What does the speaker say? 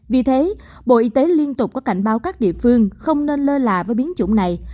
vì thế bộ y tế liên tục có cảnh báo các địa phương không nên lơ là với biến chủng này